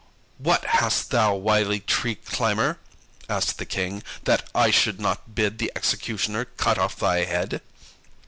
"What hast thou, wily tree climber," asked the King, "that I should not bid the executioner cut off thy head?"